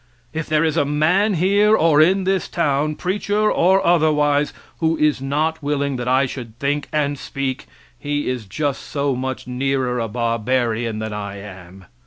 If there is a man here or in this town, preacher or otherwise, who is not willing that I should think and speak, he is just so much nearer a barbarian than I am.